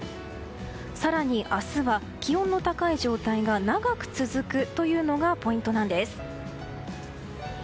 更に明日は気温の高い状態が長く続くのがポイントなんです。